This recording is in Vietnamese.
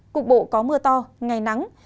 cục bộ có mưa to ngày nắng